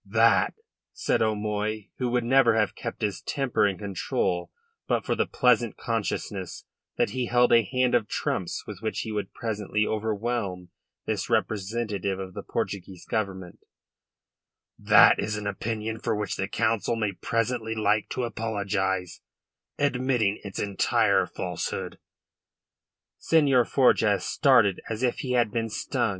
"That," said O'Moy, who would never have kept his temper in control but for the pleasant consciousness that he held a hand of trumps with which he would presently overwhelm this representative of the Portuguese Government, "that is an opinion for which the Council may presently like to apologise, admitting its entire falsehood." Senhor Forjas started as if he had been stung.